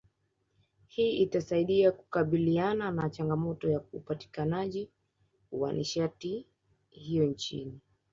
Hii itasaidia kukabiliana na changamoto ya upatikanaji wa nishati hiyo nchini